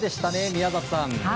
宮里さん。